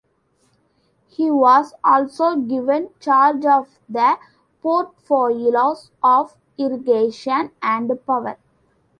He was also given charge of the portfolios of Irrigation and Power.